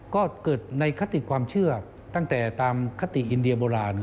ก็เกิดในคติความเชื่อตั้งแต่ตามคติอินเดียโบราณ